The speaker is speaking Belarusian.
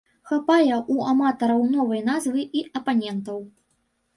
Хапае ў аматараў новай назвы і апанентаў.